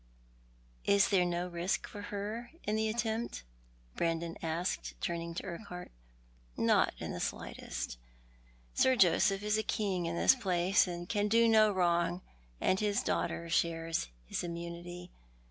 " Is there no risk for her in the attempt ?"' Brandon asked, turning to Urquhart. " Not the sbghtest. Sir Joseph is a king in this place, and can do no wrong; and his daughter shares his innnunity.